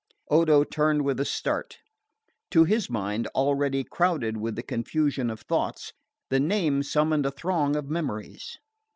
Odo turned with a start. To his mind, already crowded with a confusion of thoughts, the name summoned a throng of memories.